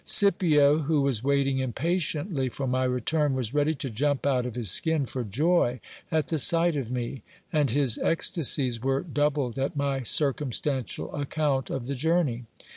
Scipio, who was waiting impatiently for my return, was ready to jump out A LIBRARY FOUND IN GIL BLASTS HOUSE. 355 of his skin for joy at the sight of me; and his ecstacies were doubled at my circumstantial account of the journey.